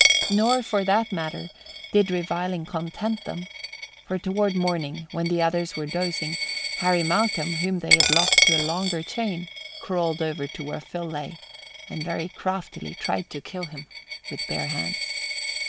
Nor, for the matter of that, did reviling content them; for toward morning, when the others were dozing, Harry Malcolm, whom they had locked to a longer chain, crawled over to where Phil lay and very craftily tried to kill him with bare hands.